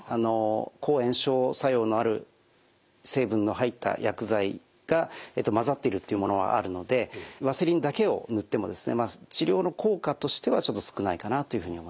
抗炎症作用のある成分の入った薬剤が混ざってるっていうものがあるのでワセリンだけを塗っても治療の効果としては少ないかなというふうに思います。